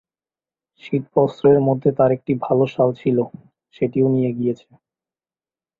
শীতবস্ত্রের মধ্যে তাঁর একটা ভালো শাল ছিল-সেটিও নিয়ে গিয়েছে।